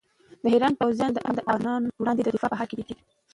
د ایران پوځیان د افغانانو وړاندې د دفاع په حال کې دي.